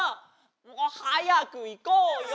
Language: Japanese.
もうはやくいこうよ。